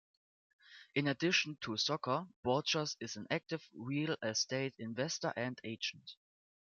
In addition to soccer, Borchers is an active real estate investor and agent.